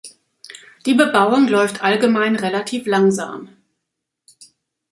Die Bebauung läuft allgemein relativ langsam.